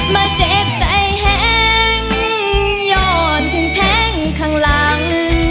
มาเจ็บใจแห้งหย่อนถึงแทงข้างหลัง